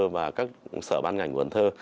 và các sở ban ngành của cần thơ